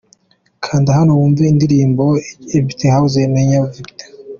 Kanda hano wumve indirimbo’ Empty house ya Weya Viatora .